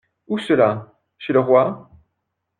Où cela ? Chez le roi.